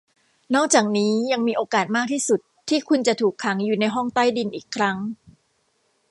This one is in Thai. นอกจากนี้ยังมีโอกาสมากที่สุดที่คุณจะถูกขังอยู่ในห้องใต้ดินอีกครั้ง